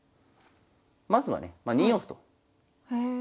まずはね２四歩とへえ。